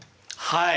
はい。